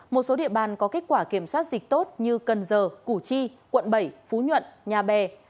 một số địa bàn có kết quả kiểm soát dịch tốt như cần giờ củ chi quận bảy phú nhuận nhà bè